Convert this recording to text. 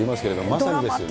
まさにですよね。